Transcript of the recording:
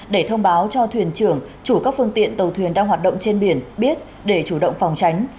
để thông báo cho thuyền trưởng chủ các phương tiện tàu thuyền đang hoạt động trên biển biết để chủ động phòng tránh